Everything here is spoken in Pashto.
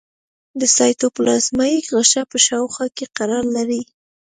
د سایتوپلازمیک غشا په شاوخوا کې قرار لري.